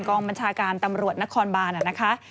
กองบัญชาการตำรวจนครบานนะคะ